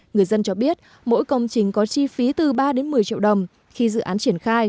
người dân cho biết mỗi công trình có chi phí từ ba đến một mươi triệu đồng khi dự án triển khai